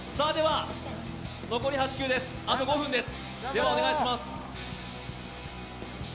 残り８球です、あと５分です。